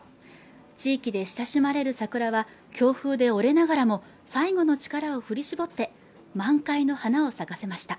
地域で親しまれる桜は強風で折れながらも最後の力を振り絞って満開の花を咲かせました